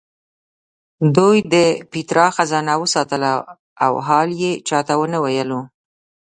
دوی د پیترا خزانه وساتله او حال یې چا ته ونه ویلو.